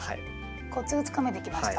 コツがつかめてきました。